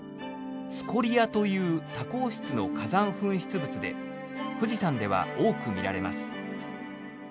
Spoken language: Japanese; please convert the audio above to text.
「スコリア」という多孔質の火山噴出物で富士山では多く見られます。